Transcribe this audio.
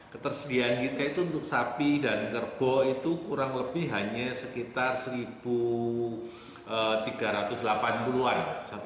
ketersediaan kita itu untuk sapi dan kerbau itu kurang lebih hanya sekitar satu tiga ratus delapan puluh an